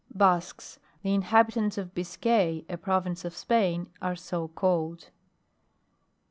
BASQUES. The inhabitants of Biscay, a province of Spain, are so called.